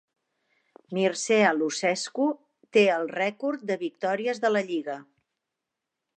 Mircea Lucescu té el rècord de victòries de la lliga.